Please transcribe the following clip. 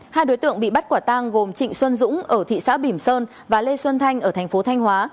hai đối tượng bị bắt quả tang gồm trịnh xuân dũng ở thị xã bỉm sơn và lê xuân thanh ở thành phố thanh hóa